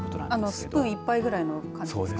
あのスプーン１杯くらいの感じですよね。